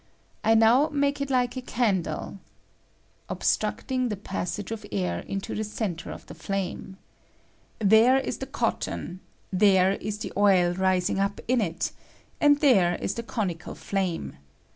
I now make it like a candle [obstructing the passage of air into the centre of the flame] ; there is the cotton ; there is the oil rising up in it; and there is the conical flame.